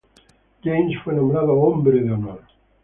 James fue nombrado hombre de honor.